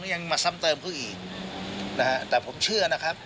ยังมาซ้ำเติมเขาอีกนะฮะแต่ผมเชื่อนะครับ